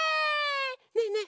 ねえねえ